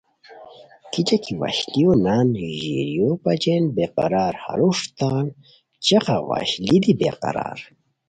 کیچہ کی وشلیو نان ژیریو بچین بے قرار ہروݰ تا ن چقہ وشلی دی بے قرار